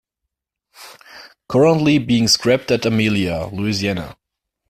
Currently being scrapped at Amelia, Louisiana.